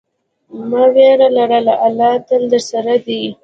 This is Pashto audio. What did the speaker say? مه ویره لره، الله تل درسره دی.